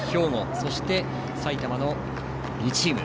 そして、埼玉の２チーム。